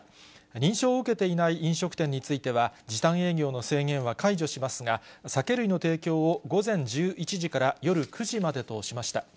認証を受けていない飲食店については、時短営業の制限は解除しますが、酒類の提供を午前１１時から夜９時までとしました。